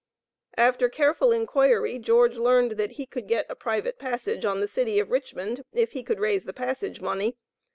After careful inquiry, George learned that he could get a private passage on the City of Richmond, if he could raise the passage money.